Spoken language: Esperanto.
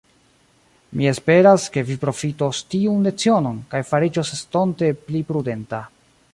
Mi esperas, ke vi profitos tiun lecionon, kaj fariĝos estonte pli prudenta.